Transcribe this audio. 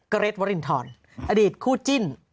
เกรทวรินทรอดีตคู่จิ้น